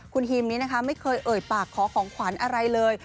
คุณฮิมนี้นะคะไม่เคยเอ่ยปากขอของขวัญอะไรเลย